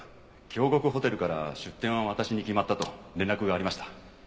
京極ホテルから出店は私に決まったと連絡がありました。